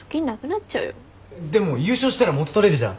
でも優勝したら元取れるじゃん。